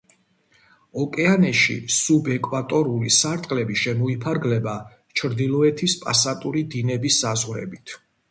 ოკეანეში სუბეკვატორული სარტყლები შემოიფარგლება ჩრდილოეთის პასატური დინების საზღვრებით.